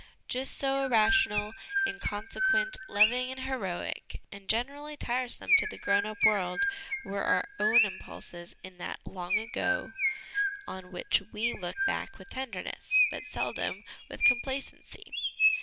Just so irrational, inconsequent, loving and heroic, and generally tiresome to the grown up world were our own impulses in that long ago, on which we look back with tenderness, but seldom with complacency.